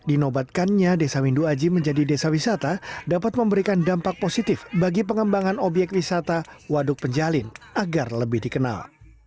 dinobatkannya desa windu aji menjadi desa wisata dapat memberikan dampak positif bagi pengembangan obyek wisata waduk penjalin agar lebih dikenal